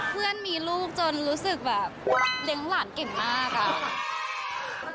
เพื่อนมีลูกจนรู้สึกแบบเลี้ยงหลานเก่งมากอะ